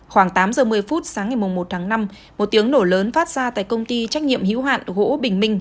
khoảng tám giờ một mươi phút sáng ngày một tháng năm một tiếng nổ lớn phát ra tại công ty trách nhiệm hữu hạn gỗ bình minh